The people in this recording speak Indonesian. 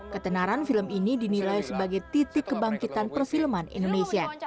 ketenaran film ini dinilai sebagai titik kebangkitan perfilman indonesia